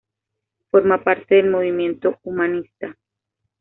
Forma parte del Movimiento Humanista.